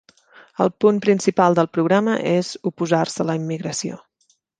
El punt principal del programa és oposar-se a la immigració.